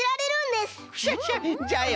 クシャシャじゃよね！